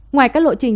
ngoài các lộ trình